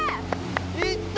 いった！